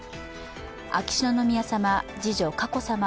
秋篠宮さま、次女・佳子さま